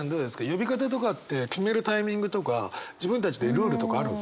呼び方とかって決めるタイミングとか自分たちでルールとかあるんですか？